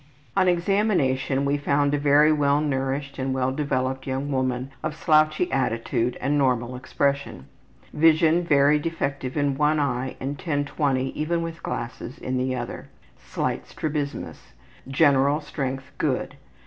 On examination we found a very well nourished and well developed young woman of slouchy attitude and normal expression. Vision very defective in one eye and 10/20, even with glasses, in the other. Slight strabismus. General strength good.